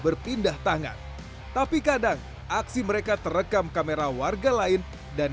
berpindah tangan tapi kadang aksi mereka terekam kamera warga lain dan